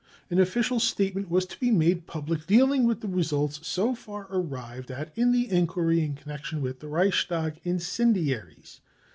An official statement was to be made public dealing with the results so far arrived at in the enquiry m connection with the Reichstag incendiaries.